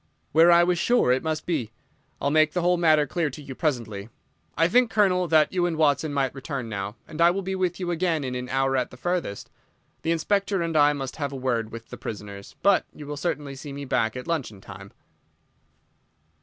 "Where I was sure it must be. I'll make the whole matter clear to you presently. I think, Colonel, that you and Watson might return now, and I will be with you again in an hour at the furthest. The Inspector and I must have a word with the prisoners, but you will certainly see me back at luncheon time."